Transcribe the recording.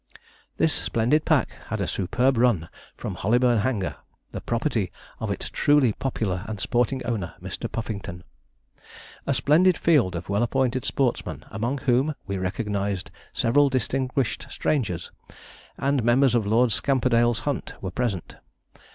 This splendid pack had a superb run from Hollyburn Hanger, the property of its truly popular and sporting owner, Mr. Puffington. A splendid field of well appointed sportsmen, among whom we recognized several distinguished strangers, and members of Lord Scamperdale's hunt, were present.